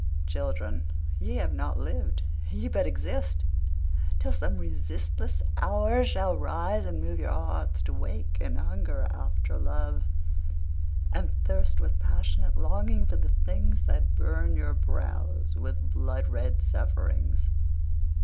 Children, ye have not lived, ye but exist Till some resistless hour shall rise and move Your hearts to wake and hunger after love, And thirst with passionate longing for the things That burn your brows with blood red sufferings.